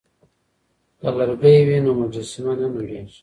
که لرګی وي نو مجسمه نه نړیږي.